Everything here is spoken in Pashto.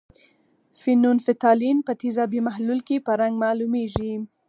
فینول فتالین په تیزابي محلول کې په رنګ معلومیږي.